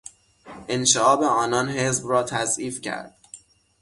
انشعاب آنان حزب را تضعیف کرد.